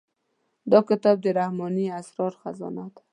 دا کتاب د رحماني اسرارو خزانه ده.